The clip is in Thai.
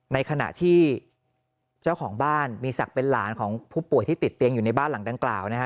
ในขณะที่เจ้าของบ้านมีศักดิ์เป็นหลานของผู้ป่วยที่ติดเตียงอยู่ในบ้านหลังดังกล่าวนะฮะ